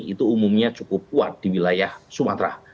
itu umumnya cukup kuat di wilayah sumatera